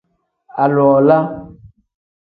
Aluwala.